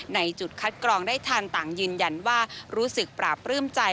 จุดคัดกรองได้ทันต่างยืนยันว่ารู้สึกปราบปลื้มใจ